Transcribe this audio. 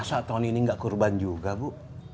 saat tahun ini nggak kurban juga bu